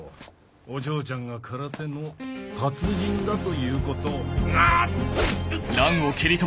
お嬢ちゃんが空手の達人だということをな‼うっ！